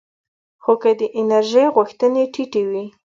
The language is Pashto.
خو که د انرژۍ غوښتنې ټیټې وي